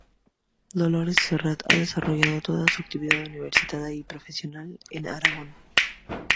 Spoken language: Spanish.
Dolores Serrat ha desarrollado toda su actividad universitaria y profesional en Aragón.